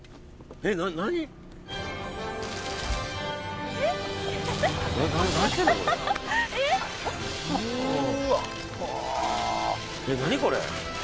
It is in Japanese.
えっ何これ？